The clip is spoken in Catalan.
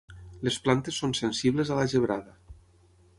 Les plantes són sensibles a la gebrada.